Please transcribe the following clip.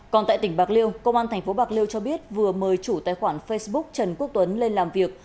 còn tại tỉnh bạc liêu công an tp bạc liêu cho biết vừa mời chủ tài khoản facebook trần quốc tuấn lên làm việc